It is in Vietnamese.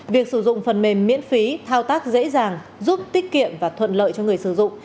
việc sử dụng phần mềm miễn phí thao tác dễ dàng giúp tiết kiệm và thuận lợi cho người sử dụng